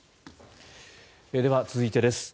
では、続いてです。